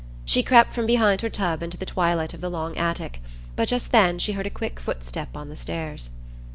She crept from behind her tub into the twilight of the long attic, but just then she heard a quick foot step on the stairs.